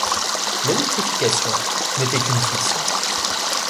L'électrification n'était qu'une fiction.